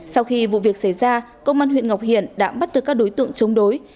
sau khi vụ việc xảy ra công an huyện ngọc hiển đã bắt được các đối tượng chống đối